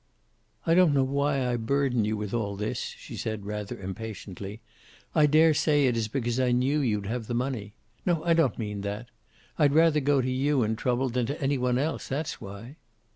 "I don't know why I burden you with all this," she said, rather impatiently. "I daresay it is because I knew you'd have the money. No, I don't mean that. I'd rather go to you in trouble than to any one else; that's why."